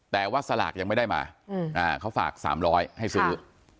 แต่ว่าสลากยังไม่ได้มาเขาฝาก๓๐๐ให้ซื้อ